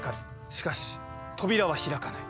しかし扉は開かない。